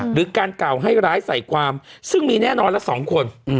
หรือการกล่าวให้ร้ายใส่ความซึ่งมีแน่นอนละ๒คน